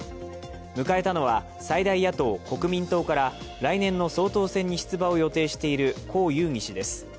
迎えたのは最大野党・国民党から来年の総統選に出馬を予定している侯友宜氏です。